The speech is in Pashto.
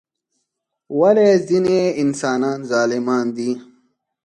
ولی ځینی انسانان ظالمان دي؟